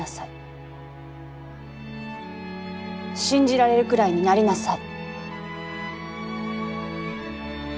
信じられるくらいになりなさい。